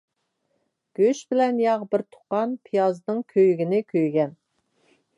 گۆش بىلەن ياغ بىر تۇغقان، پىيازنىڭ كۆيگىنى كۆيگەن.